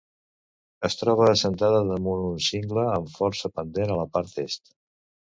Es troba assentada damunt un cingle amb força pendent a la part Est.